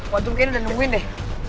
waduh kayaknya udah nungguin deh